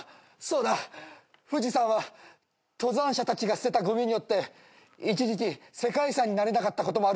そうだ富士山は登山者たちが捨てたゴミによって一時期世界遺産になれなかったこともあるんだ。